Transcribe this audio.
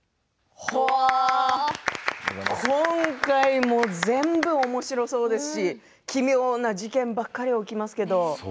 今回も全部おもしろそうですし奇妙な事件ばかり起きますけれど。